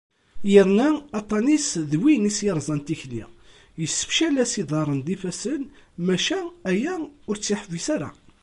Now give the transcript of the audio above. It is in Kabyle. Yerna aṭṭan-is d win i as-yerẓan tikli, yessefcel-as iḍarren d yifassen, maca aya ur tt-yeḥbis ara.